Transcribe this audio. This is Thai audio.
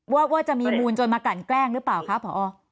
ว่าจะมีมูลจนมากันแกล้งหรือเปล่าคะพอ